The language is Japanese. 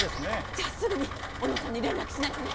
じゃあすぐに小野さんに連絡しないとね！